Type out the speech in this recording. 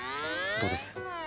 どうです？